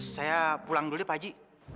saya pulang dulu deh pakji